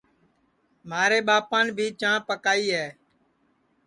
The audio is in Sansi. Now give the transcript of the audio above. مھارے ٻاپان بھی چاں پکوائی ہے